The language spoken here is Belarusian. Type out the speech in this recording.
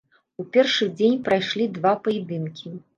У першы дзень прайшлі два паядынкі.